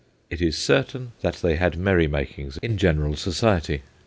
It is certain that they had merrymakings in general society.